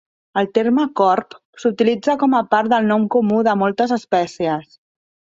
El terme "corb" s'utilitza com a part del nom comú de moltes espècies.